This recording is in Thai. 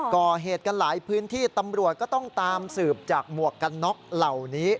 ก่อเหตุกันหลายพื้นที่ตำรวจก็ต้องตามสืบจากหมวกกันน็อกเหล่านี้